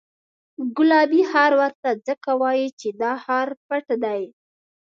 ګلابي ښار ورته ځکه وایي چې دا ښار پټ دی.